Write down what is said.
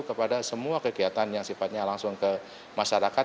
kepada semua kegiatan yang sifatnya langsung ke masyarakat